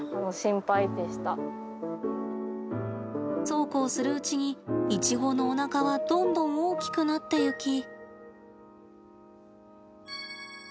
そうこうするうちにイチゴのおなかはどんどん大きくなっていき。